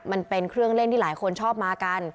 มันเป็นเครื่องเล่นที่หลายคนชอบมากัน